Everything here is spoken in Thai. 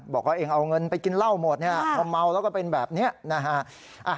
บอกว่าเองเอาเงินไปกินเหล้าหมดเนี่ยพอเมาแล้วก็เป็นแบบนี้นะฮะ